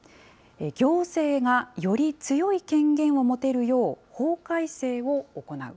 行政がより強い権限を持てるよう、法改正を行う。